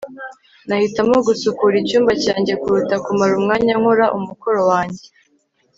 nahitamo gusukura icyumba cyanjye kuruta kumara umwanya nkora umukoro wanjye